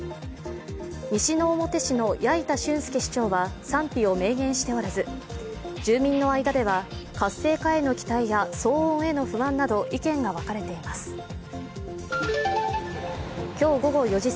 西之表市の八板俊輔市長は賛否を明言しておらず住民の間では活性化への期待や騒音への不安など意見が分かれています。